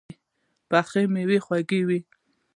پخو مېوې خواږه وي